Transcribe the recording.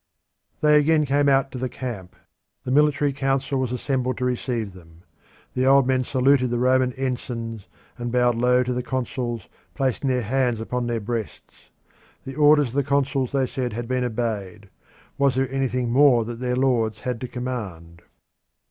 They again came out to the camp. The military council was assembled to receive them. The old men saluted the Roman ensigns, and bowed low to the consuls, placing their hands upon their breasts. The orders of the consuls, they said, had been obeyed. Was there anything more that their lords had to command?